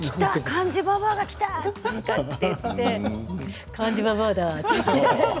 漢字ババアが来たって言って漢字ババアだと言って。